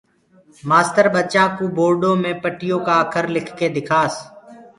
مآستر ٻچآنٚ ڪو بورڊو مي پٽيو ڪآ اکر لک ڪي دکاس